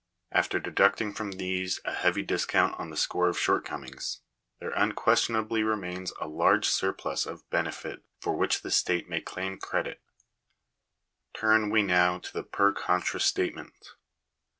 Even after deducting from these a heavy discount on the score of shortcomings, there unquestionably remains a large surplus of benefit for whioh the state may claim credit Turn we now to the per contra statement.